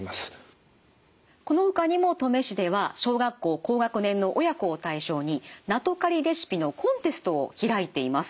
このほかにも登米市では小学校高学年の親子を対象にナトカリレシピのコンテストを開いています。